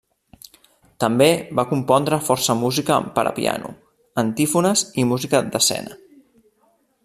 També va compondre força música per a piano, antífones i música d'escena.